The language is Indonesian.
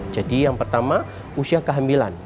jadi yang pertama usia kehamilan